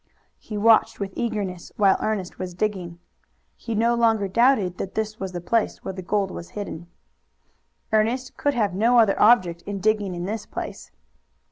He watched with eagerness while Ernest was digging. He no longer doubted that this was the place where the gold was hidden. Ernest could have no other object in digging in this place.